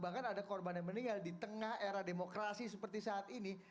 bahkan ada korban yang meninggal di tengah era demokrasi seperti saat ini